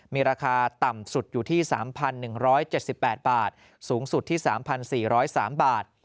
มีราคาต่ำสุดอยู่ที่๓๑๗๘บาทสูงสุดที่๓๔๐๓บาท